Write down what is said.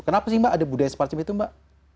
kenapa sih mbak ada budaya semacam itu mbak